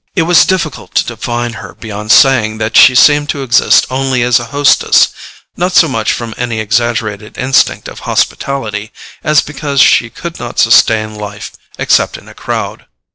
It was difficult to define her beyond saying that she seemed to exist only as a hostess, not so much from any exaggerated instinct of hospitality as because she could not sustain life except in a crowd.